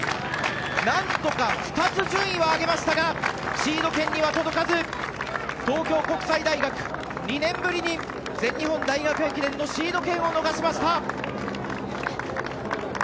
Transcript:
なんとか２つ順位を上げましたがシード圏には届かず東京国際大学２年ぶりに全日本大学駅伝のシード権を逃しました。